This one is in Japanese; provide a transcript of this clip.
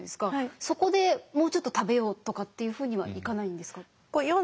そこでもうちょっと食べようとかっていうふうにはいかないんですか？